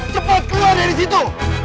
cepat keluar dari situ